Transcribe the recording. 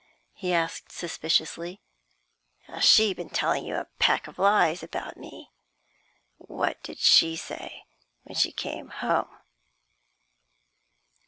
he asked, suspiciously. "Has she been telling you a pack of lies about me? What did she say when she came home?"